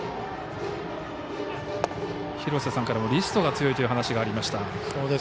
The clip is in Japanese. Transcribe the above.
廣瀬さんからもリストが強いという話がありました。